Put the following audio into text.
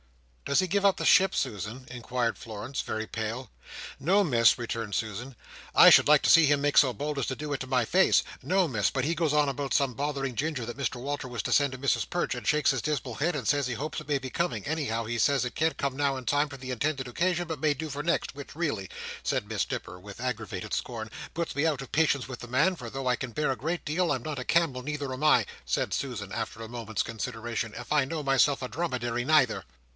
"Does he give up the ship, Susan?" inquired Florence, very pale. "No, Miss," returned Susan, "I should like to see him make so bold as do it to my face! No, Miss, but he goes on about some bothering ginger that Mr Walter was to send to Mrs Perch, and shakes his dismal head, and says he hopes it may be coming; anyhow, he says, it can't come now in time for the intended occasion, but may do for next, which really," said Miss Nipper, with aggravated scorn, "puts me out of patience with the man, for though I can bear a great deal, I am not a camel, neither am I," added Susan, after a moment's consideration, "if I know myself, a dromedary neither."